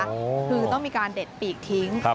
คือต้องมีการเด็ดปีกทิ้ง